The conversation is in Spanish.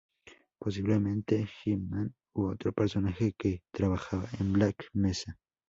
Posiblemente G-Man u otro personaje que trabajaba en Black Mesa.